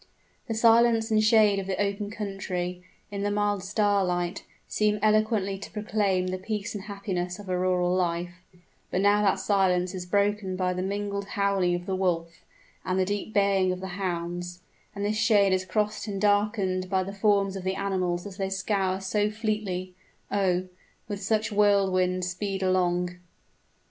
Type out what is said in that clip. The silence and shade of the open country, in the mild starlight, seem eloquently to proclaim the peace and happiness of a rural life; but now that silence is broken by the mingled howling of the wolf, and the deep baying of the hounds and this shade is crossed and darkened by the forms of the animals as they scour so fleetly oh! with such whirlwind speed along.